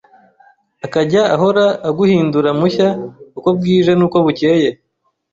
akajya ahora aguhindura mushya uko bwije n’uko bucyeye?